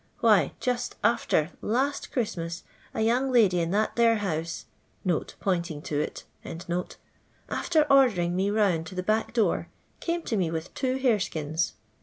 Why, just arter last Christmas, a young hdj In that there house (pointing to it), after araaring me round to the back door, came to bm with two harebkins.